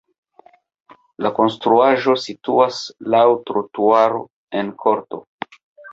La konstruaĵo situas laŭ trotuaro en korto.